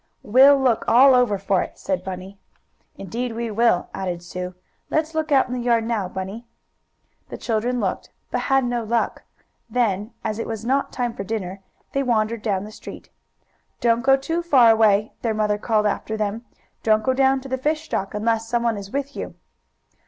"We'll look all over for it," said Bunny. "Indeed we will," added Sue. "Let's look out in the yard now, Bunny." The children looked, but had no luck Then, as it was not time for dinner, they wandered down the street. "Don't go too far away," their mother called after them. "Don't go down to the fish dock unless some one is with you."